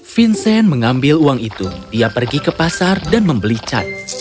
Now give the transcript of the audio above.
vincent mengambil uang itu dia pergi ke pasar dan membeli cat